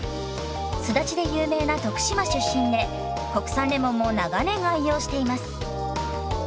すだちで有名な徳島出身で国産レモンも長年愛用しています。